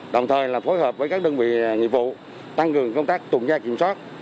đồng thời phối hợp với các đơn vị nghiệp vụ tăng cường công tác tùng gia kiểm soát